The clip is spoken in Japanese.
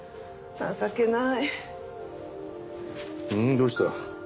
どうした？